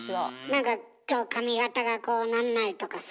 何か今日髪形がこうなんないとかさ。